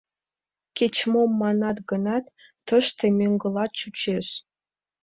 Кеч-мом манат гынат, тыште мӧҥгыла чучеш.